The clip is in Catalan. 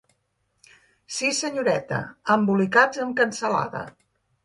Sí, senyoreta, embolicats amb cansalada.